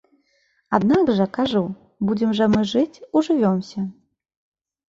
Аднак жа, кажу, будзем жа мы жыць, ужывёмся.